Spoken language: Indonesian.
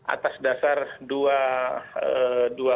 atas dasar dua